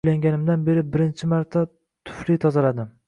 Uylanganimdan beri birinchi marta tufli tozaladim